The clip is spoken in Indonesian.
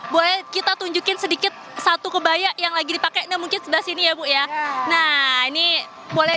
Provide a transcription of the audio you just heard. boleh kita tunjukin sedikit satu kebaya yang lagi dipakainya mungkin sebelah sini ya bu ya nah ini boleh